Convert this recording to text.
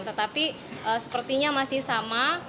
tetapi sepertinya masih sama